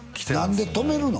何で泊めるの？